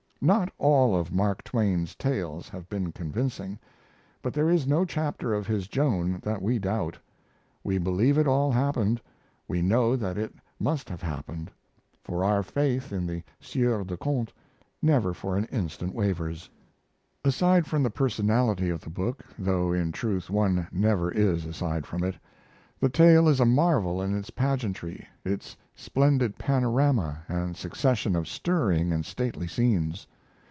Not all of Mark Twain's tales have been convincing, but there is no chapter of his Joan that we doubt. We believe it all happened we know that it must have happened, for our faith in the Sieur de Conte never for an instant wavers. Aside from the personality of the book though, in truth, one never is aside from it the tale is a marvel in its pageantry, its splendid panorama and succession of stirring and stately scenes.